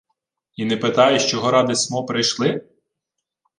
— І не питаєш, чого ради смо прийшли?